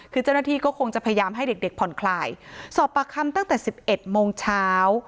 คือเจ้าหน้าที่ก็คงจะพยายามให้เด็กเด็กผ่อนคลายสอบปากคำตั้งแต่สิบเอ็ดโมงเช้า